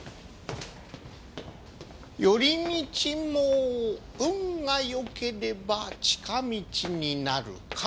寄り道も運がよければ近道になるかも。